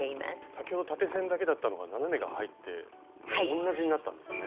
先ほど縦線だけだったのが斜めが入って同じになったんですね。